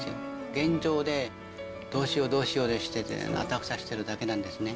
現状でどうしよう、どうしようであたふたしてるだけなんですね。